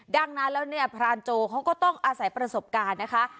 ดังนั้นแล้วเนี่ยพรานโจเขาก็ต้องอาศัยประสบการณ์นะคะ